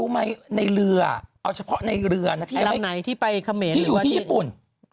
ไม่อยู่ที่ญี่ปุ่น